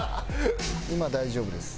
今大丈夫です。